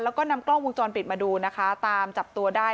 แล้วก็นำกล้องวงจรปิดมาดูนะคะตามจับตัวได้